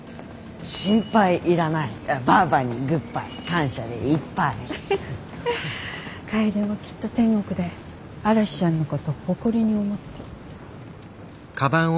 心配いらないバァバにグッバイ感謝でいっぱい楓もきっと天国で嵐ちゃんのこと誇りに思ってる。